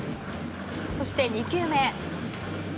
そして２球目。